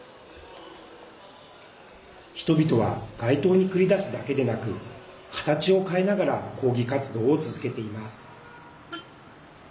人々は街頭に繰り出すだけでなく形を変えながら抗議活動を続けています。